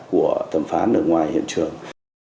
của thẩm phán ở ngoài hiện trường